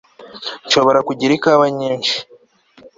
nshobora kugira ikawa nyinshi